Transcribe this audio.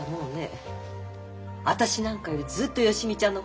私なんかよりずっと芳美ちゃんの方が好きよ。